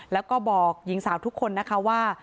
แล้วก็บอกหญิงสาวทุกคนนะคะว่า